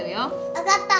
分かった！